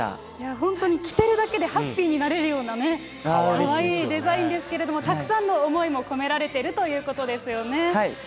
本当に着てるだけでハッピーになれるようなかわいいデザインですけれども、たくさんの思いも込められているということですよね。